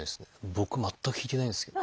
僕全く引いてないんですけど。